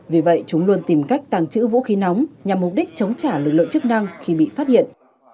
vì vậy chúng luôn tìm cách tàng trữ vũ khí nóng nhằm mục đích chống trả lực lượng chức năng khi bị phát hiện